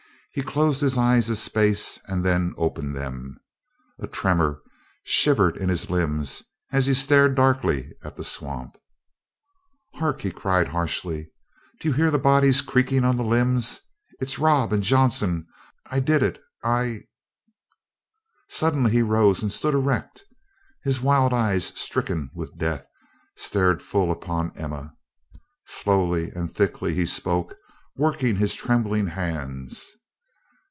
He closed his eyes a space and then opened them. A tremor shivered in his limbs as he stared darkly at the swamp. "Hark!" he cried harshly. "Do you hear the bodies creaking on the limbs? It's Rob and Johnson. I did it I " Suddenly he rose and stood erect and his wild eyes stricken with death stared full upon Emma. Slowly and thickly he spoke, working his trembling hands.